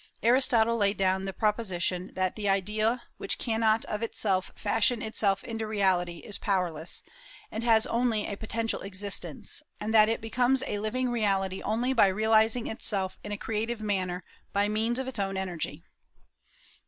Aristotle laid down the proposition that the idea, which cannot of itself fashion itself into reality, is powerless, and has only a potential existence; and that it becomes a living reality only by realizing itself in a creative manner by means of its own energy."